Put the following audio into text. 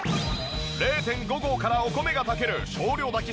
０．５合からお米が炊ける少量炊き